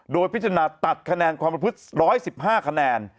โดยพิจารณาตัดคะแนนความประพฤติ๑๑๕คะแนน